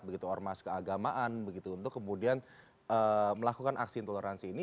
begitu ormas keagamaan begitu untuk kemudian melakukan aksi intoleransi ini